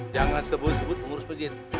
jangan sebut sebut pengurus masjid